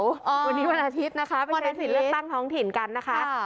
วันนี้วันอาทิตย์นะคะไปใช้สิทธิ์เลือกตั้งท้องถิ่นกันนะคะ